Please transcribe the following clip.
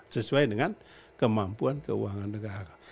sesuai dengan kemampuan keuangan negara